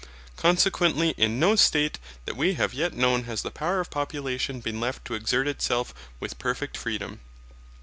Consequently in no state that we have yet known has the power of population been left to exert itself with perfect freedom.